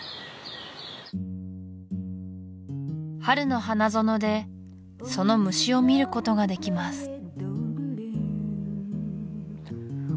春の花園でその虫を見ることができます